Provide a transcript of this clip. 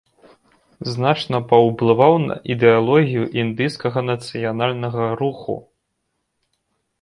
Значна паўплываў на ідэалогію індыйскага нацыянальнага руху.